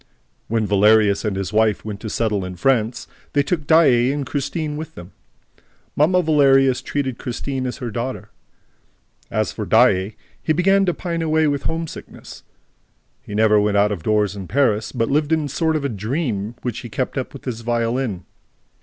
When Valerius and his wife went to settle in France, they took Daae and Christine with them. "Mamma" Valerius treated Christine as her daughter. As for Daae, he began to pine away with homesickness. He never went out of doors in Paris, but lived in a sort of dream which he kept up with his violin.